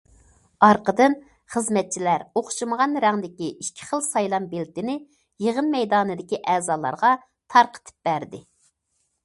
ئارقىدىن خىزمەتچىلەر ئوخشىمىغان رەڭدىكى ئىككى خىل سايلام بېلىتىنى يىغىن مەيدانىدىكى ئەزالارغا تارقىتىپ بەردى.